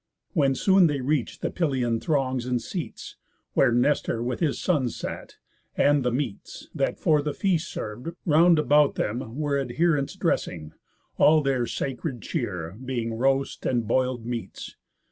When soon they reach'd the Pylian throngs and seats, Where Nestor with his sons sat; and the meats, That for the feast serv'd, round about them were Adherents dressing, all their sacred cheer, Being roast and boil'd meats.